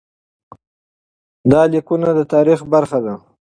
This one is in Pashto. دا لیکونه د تاریخ برخه دي.